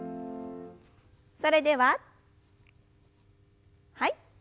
それでははい。